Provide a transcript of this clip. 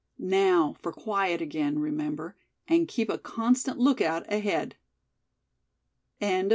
Now for quiet again, remember, and keep a constant lookout ahead." CHAPTER XI.